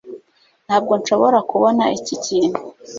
ntabwo nshobora kubona iki kintu